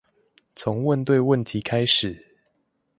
從問對問題開始